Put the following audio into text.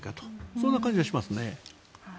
そんな感じがしますね。